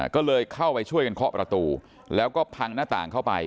ก็เลยเข้าไปช่วยกันเคาะประตูแล้วก็พังหน้าต่างเข้าไป